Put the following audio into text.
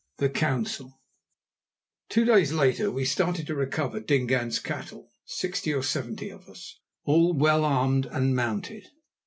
THE COUNCIL Two days later we started to recover Dingaan's cattle, sixty or seventy of us, all well armed and mounted.